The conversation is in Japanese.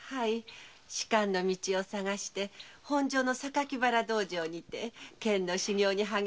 仕官の道を探して本所の榊原道場にて剣の修行に励んでおります。